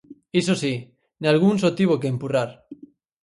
Iso si, nalgún só tivo que empurrar.